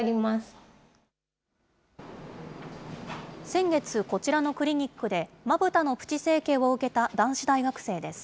先月、こちらのクリニックでまぶたのプチ整形を受けた男子大学生です。